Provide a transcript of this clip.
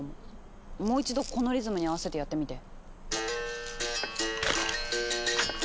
もう一度このリズムに合わせてやってみて。